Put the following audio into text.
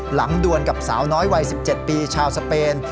ดวนกับสาวน้อยวัย๑๗ปีชาวสเปน